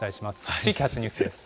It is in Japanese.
地域発ニュースです。